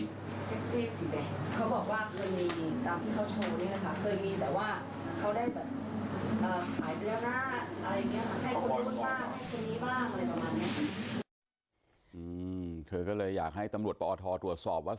แท็กซี่เขาบอกว่าเคยมีนะครับแต่ว่าเคยมีแต่ว่า